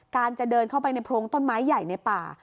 จะเดินเข้าไปในโพรงต้นไม้ใหญ่ในป่า